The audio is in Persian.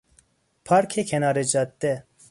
پارک کنار جاده